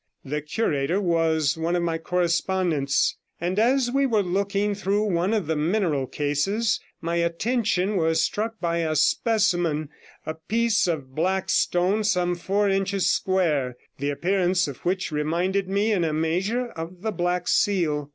The curator was one of my correspondents; and, as we were looking through one of the mineral cases, my attention was struck by a specimen, a piece of black stone some four inches square, the appearance of which reminded me in a measure of the Black Seal.